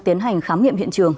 tiến hành khám nghiệm hiện trường